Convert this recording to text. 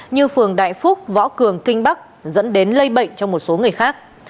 như phường đại phúc võ cường kinh bắc dẫn đến lây bệnh cho một số người khác